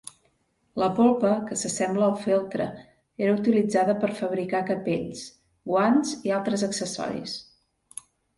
La polpa, que s'assembla al feltre era utilitzada per fabricar capells, guants i altres accessoris.